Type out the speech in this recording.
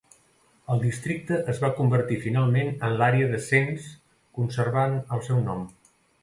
El districte es va convertir finalment en l'àrea de cens, conservant el seu nom.